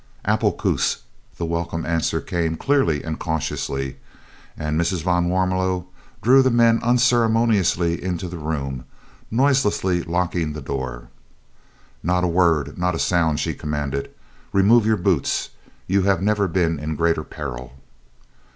"Appelkoos," the welcome answer came clearly and cautiously, and Mrs. van Warmelo drew the men unceremoniously into the room, noiselessly locking the door. "Not a word, not a sound," she commanded, "remove your boots you have never been in greater peril."